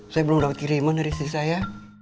saya belum dapat kiriman dari istri saya